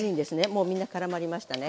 もうみんな絡まりましたね。